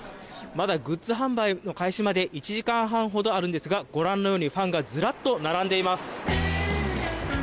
まだグッズ販売の開始まで１時間半ほどあるんですがご覧のようにファンがずらっと並んでいます。